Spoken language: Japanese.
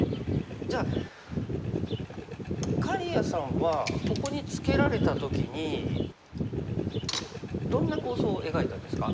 じゃあ刈谷さんはここにツケられた時にどんな構想を描いたんですか？